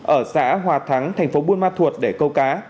ở xã hòa thắng thành phố buôn ma thuột để câu cá